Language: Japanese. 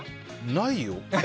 ないよ。